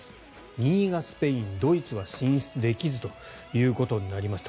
２位がスペイン、ドイツは進出できずということになりました。